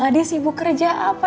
adi sibuk kerja apa